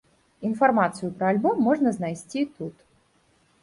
Інфармацыю пра альбом можна знайсці тут.